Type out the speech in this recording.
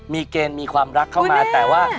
มีเกณฑ์มีความรักเข้ามาแต่ว่า